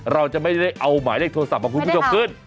เราจะไม่ได้เอาหมายเลขโทรศัพท์ของคุณผู้ชมขึ้น